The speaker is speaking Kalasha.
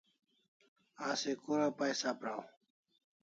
Asi kura paisa praw?